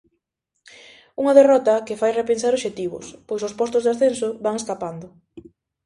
Unha derrota que fai repensar obxectivos, pois os postos de ascenso van escapando.